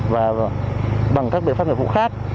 và bằng các biệt pháp nghiệp vụ khác